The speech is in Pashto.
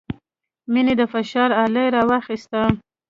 مينې د فشار اله راواخيسته.